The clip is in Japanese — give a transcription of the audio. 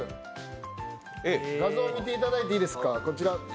画像を見ていただいていいですか、こちら。